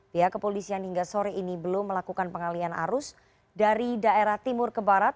pihak kepolisian hingga sore ini belum melakukan pengalian arus dari daerah timur ke barat